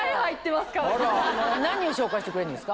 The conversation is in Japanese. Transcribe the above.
何を紹介してくれるんですか？